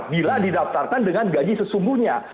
bila didaftarkan dengan gaji sesungguhnya